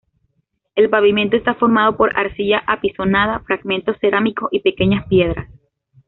El pavimento está formado por arcilla apisonada, fragmentos cerámicos y pequeñas piedras.